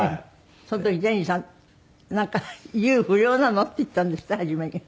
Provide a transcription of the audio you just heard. その時ジャニーさんなんか「ユー不良なの？」って言ったんですって？